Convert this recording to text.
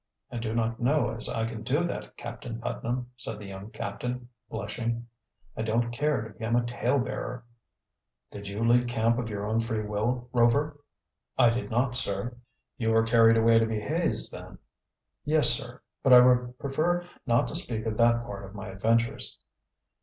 "I do not know as I can do that, Captain Putnam," said the young captain, blushing. "I don't care to become a tale bearer." "Did you leave camp of your own free will, Rover?" "I did not, sir." "You were carried away to be hazed, then?" "Yes, sir; but I would prefer not to speak of that part of my adventures."